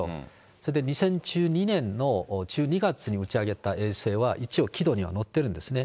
それで２０１２年の１２月に打ち上げた衛星は一応軌道には乗ってるんですね。